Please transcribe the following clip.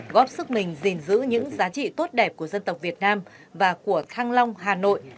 góp sức mình gìn giữ những giá trị tốt đẹp của dân tộc việt nam và của thăng long hà nội